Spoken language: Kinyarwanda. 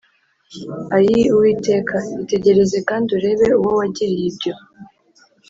“Ayii Uwiteka, Itegereze kandi urebe uwo wagiriye ibyo!